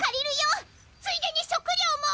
ついでに食料も！